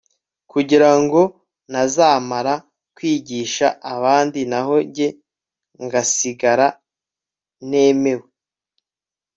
kugira ngo ntazamara kwigisha abandi naho jye ngasigara ntemewe